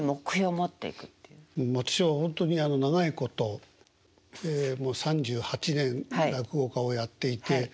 私はほんとに長いこともう３８年落語家をやっていてええ